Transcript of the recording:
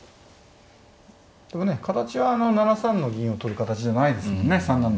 形は７三の銀を取る形じゃないですもんね。